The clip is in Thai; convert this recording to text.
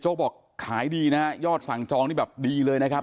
เจ้าบอกขายดียอดสั่งจองแบบดีเลยน่ะ